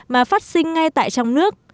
mà phát sinh ngay tại trong nước